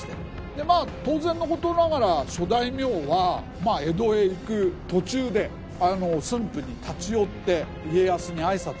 で当然のことながら諸大名は江戸へ行く途中で駿府に立ち寄って家康に挨拶すると。